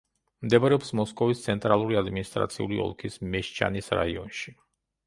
მდებარეობს მოსკოვის ცენტრალური ადმინისტრაციული ოლქის მეშჩანის რაიონში.